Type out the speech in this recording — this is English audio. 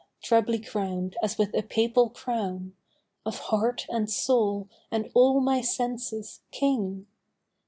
trebly crown 'd as with a papal crown ! Of heart and soul and all my senses King